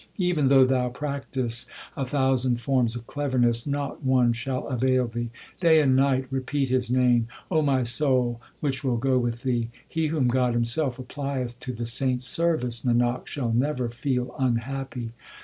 1 Even though thou practise a thousand forms of cleverness, Not one shall avail thee. 2 Day and night repeat His name, my soul, which will go with thee. He whom God Himself applieth to the saint s service, Nanak, shall never feel unhappy.